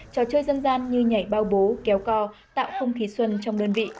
trò chơi dân gian như nhảy bao bố kéo co tạo không khí xuân trong đơn vị